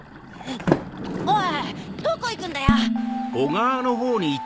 おいどこいくんだよ！